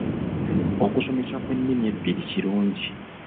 Okusomesa kw'ennimi ebbiri kirungi.